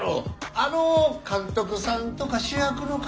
あの監督さんとか主役の方。